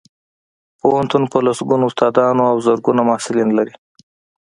پوهنتون په لسګونو استادان او زرګونه محصلین لري